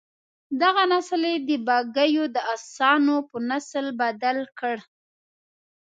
دغه نسل یې د بګیو د اسانو په نسل بدل کړ.